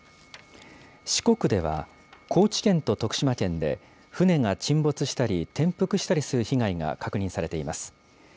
四国では、高知県と徳島県で船が沈没したり転覆したりする被害が確認されています。